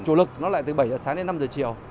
chủ lực nó lại từ bảy h sáng đến năm h chiều